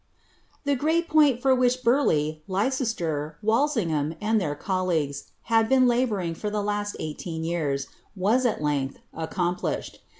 3] The great point for which Burleigh, Leicester, Walsingham, and their colleagues had been labouring for the last eighteen years, was, at length, accomplished.